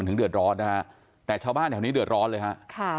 เดือดร้อนนะฮะแต่ชาวบ้านแถวนี้เดือดร้อนเลยฮะค่ะ